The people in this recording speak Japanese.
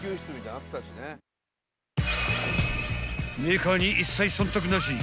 ［メーカーに一切忖度なし］